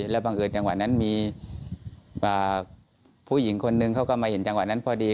แล้วบังเอิญจังหวะนั้นมีผู้หญิงคนนึงเขาก็มาเห็นจังหวะนั้นพอดี